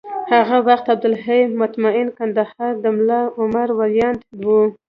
هغه وخت عبدالحی مطمین کندهار کي د ملا عمر ویاند و